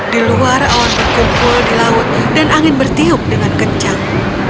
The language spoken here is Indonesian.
di luar awan berkumpul di laut dan angin bertiup dengan kencang